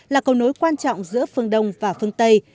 là cầu nối quan trọng giữa phương đông và phương tây